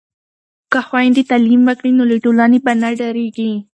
که خویندې تعلیم وکړي نو له ټولنې به نه ډاریږي.